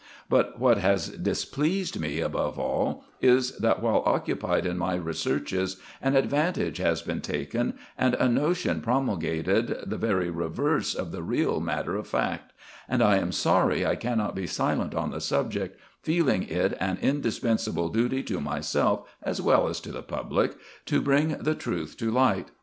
But what has displeased me above all is, that while occupied in my researches, an advantage has been taken, and a notion promulgated, the very reverse of the real matter of fact ; and I am sorry I cannot be silent on the subject, feeling it an indispensable duty to myself, as well as the public, to bring the truth to light.